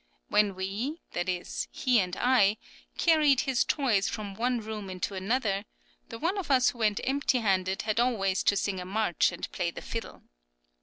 When we, that is, he and I, carried his toys from one room into another, the one of us who went empty handed had always to sing a march and play the fiddle.